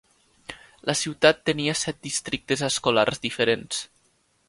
La ciutat tenia set districtes escolars diferents.